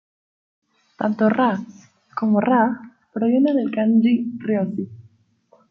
Tanto ら como ラ provienen del kanji 良.